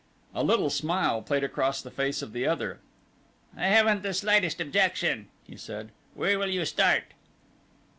A little smile played across the face of the other. "I haven't the slightest objection," he said. "Where will you start?"